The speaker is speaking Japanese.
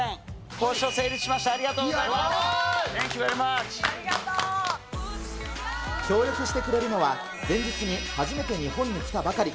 交渉成立しました、ありがとうごありがとう。協力してくれるのは、前日に初めて日本に来たばかり。